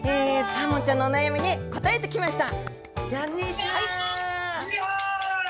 サーモンちゃんのお悩みに答えてきました。